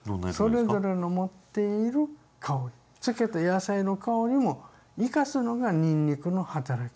それぞれの持っている香り漬けた野菜の香りも生かすのがにんにくの働き。